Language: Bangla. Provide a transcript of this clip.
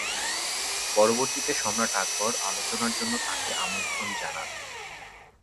পরবর্তীতে সম্রাট আকবর আলোচনার জন্য তাঁকে আমন্ত্রন জানান।